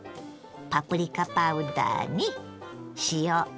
パプリカパウダーに塩こしょう。